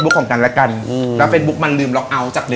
ปันเล็งแบบโอโห